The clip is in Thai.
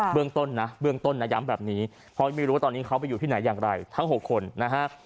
เรื่องต้นนะเบื้องต้นนะย้ำแบบนี้เพราะไม่รู้ว่าตอนนี้เขาไปอยู่ที่ไหนอย่างไรทั้ง๖คนนะฮะ